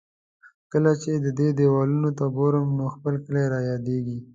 کله چې د دې دېوالونو ته ګورم، نو خپل کلی را یادېږي.